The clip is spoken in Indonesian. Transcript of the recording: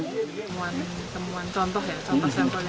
temuan temuan contoh ya contoh sampelnya